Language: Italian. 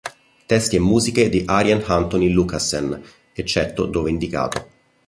Testi e musiche di Arjen Anthony Lucassen, eccetto dove indicato.